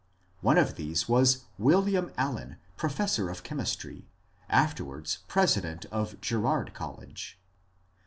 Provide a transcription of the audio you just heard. One of tbese was William Allen, professor of cbemistry, after wards president of Girard College.